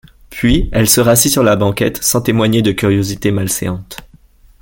Puis, elle se rassit sur la banquette, sans témoigner de curiosité malséante.